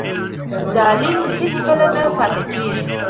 ظلم هېڅکله نه پاتې کېږي.